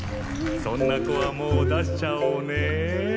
そんな子はもう出しちゃおうね